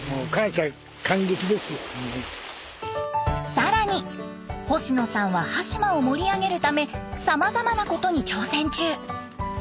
更に星野さんは端島を盛り上げるためさまざまなことに挑戦中。